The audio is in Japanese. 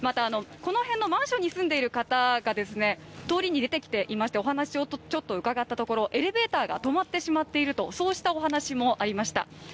この辺のマンションに住んでいる方がですね、通りに出てきていましてお話をちょっと伺ったところ、エレベーターが止まってしまっているとそうしたお話もありました。